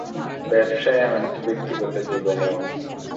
ব্যবসায়ে, এমনকি ব্যক্তিগত জীবনেও।